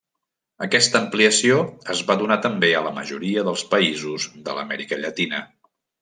Aquesta ampliació es va donar també a la majoria dels països de l'Amèrica Llatina.